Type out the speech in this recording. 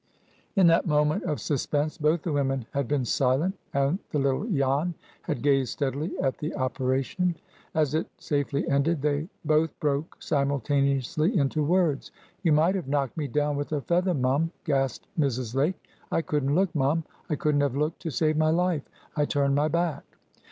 In that moment of suspense both the women had been silent, and the little Jan had gazed steadily at the operation. As it safely ended, they both broke simultaneously into words. "You might have knocked me down with a feather, mum!" gasped Mrs. Lake. "I couldn't look, mum. I couldn't have looked to save my life. I turned my back."